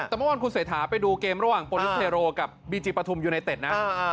แต่เมื่อวานคุณเศรษฐาไปดูเกมระหว่างโปรลิสเทโรกับบีจีปฐุมยูไนเต็ดนะ